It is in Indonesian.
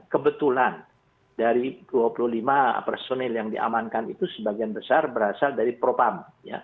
kebetulan dari dua puluh lima personil yang diamankan itu sebagian besar berasal dari propam